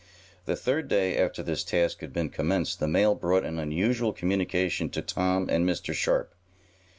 The third day after this task had been commenced the mail brought an unusual communication to Tom and Mr. Sharp.